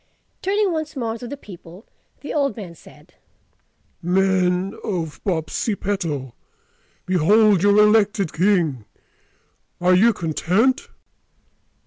Turning once more to the people, the old man said, "Men of Popsipetel, behold your elected king!—Are you content?"